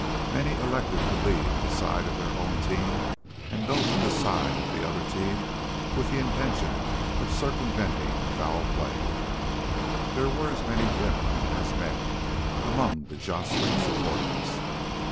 Many elected to leave the side of their own team and go to the side of the other team with the intention of circumventing foul play. There were as many women as men among the jostling supporters.